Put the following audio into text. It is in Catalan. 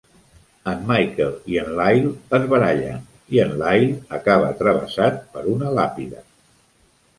En Michael i en Lyle es barallen, i en Lyle acaba travessat per una làpida.